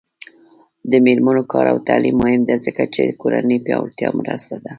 د میرمنو کار او تعلیم مهم دی ځکه چې کورنۍ پیاوړتیا مرسته ده.